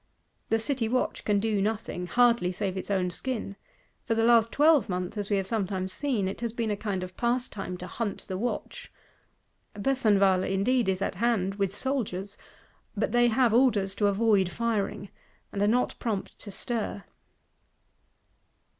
The City watch can do nothing; hardly save its own skin: for the last twelve month, as we have sometimes seen, it has been a kind of pastime to hunt the Watch. Besenval indeed is at hand with soldiers; but they have orders to avoid firing, and are not prompt to stir.